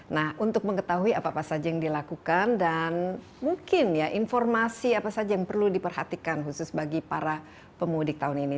nah untuk mengetahui apa apa saja yang dilakukan dan mungkin ya informasi apa saja yang perlu diperhatikan khusus bagi para pemudik tahun ini